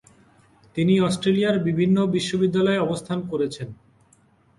তিনি অস্ট্রেলিয়ার বিভিন্ন বিশ্ববিদ্যালয়ে অবস্থান করেছেন।